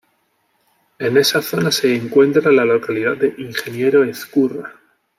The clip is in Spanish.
En esa zona se encuentra la localidad de Ingeniero Ezcurra.